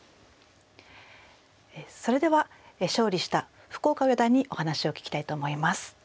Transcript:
それでは勝利した福岡四段にお話を聞きたいと思います。